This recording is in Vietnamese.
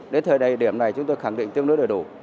đến thời điểm này chúng tôi khẳng định tương đối đầy đủ